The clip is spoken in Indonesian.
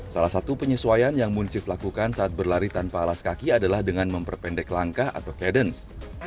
salah satu penyesuaian yang munsif lakukan saat berlari tanpa alas kaki adalah dengan memperpendek langkah atau cadence